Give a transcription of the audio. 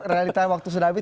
realitanya waktu sudah habis